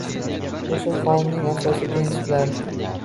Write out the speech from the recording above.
Ushbu Qonunning asosiy prinsiplari